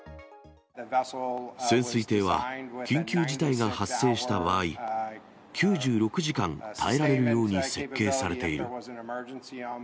潜水艇は緊急事態が発生した場合、９６時間耐えられるように設計されている。